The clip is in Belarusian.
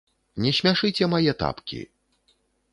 Не смяшыце мае тапкі!